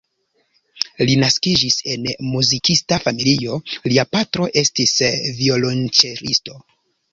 Li naskiĝis en muzikista familio, lia patro estis violonĉelisto.